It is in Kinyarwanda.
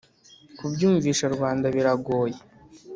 kubyumvisha rubanda biragoye